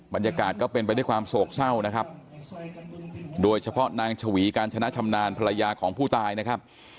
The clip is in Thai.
บรรยากาศก็เป็นไปด้วยความโศกเศร้านะครับโดยเฉพาะนางชวีการชนะชำนาญภรรยาของผู้ตายนะครับ